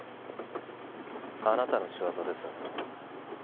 あなたの仕業ですよね